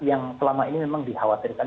yang selama ini memang dikhawatirkan